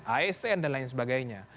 asn dan lain sebagainya